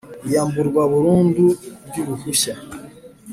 iyamburwa burundu ry uruhushya